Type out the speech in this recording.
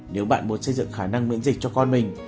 nếu bạn muốn xây dựng khả năng miễn dịch cho con mình